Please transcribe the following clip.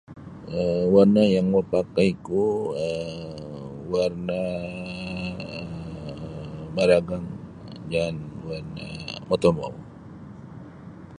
um warna yang mapakaiku um warnaa maragang jaan warna motomou.